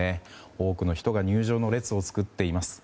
多くの人が入場の列を作っています。